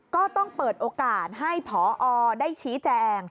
ก็ต้องเปิดโอกาสให้พอได้ชี้แจง